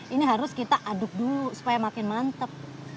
ini harus kita aduk dulu supaya makin mantep